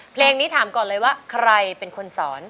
เพลงนี้ถามก่อนเลยว่าใครเป็นคนสอน